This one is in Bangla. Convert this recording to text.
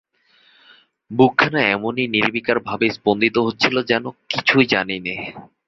বুকখানা এমনি নির্বিকারভাবেই স্পন্দিত হচ্ছিল যেন কিছুই জানিনে।